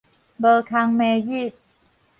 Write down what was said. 無空暝日